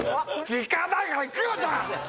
時間ないからいくよじゃあ！